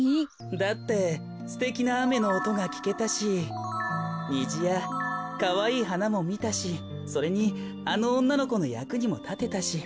だってすてきなあめのおとがきけたしにじやかわいいはなもみたしそれにあのおんなのこのやくにもたてたし。